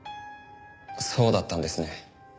そうだったんですね。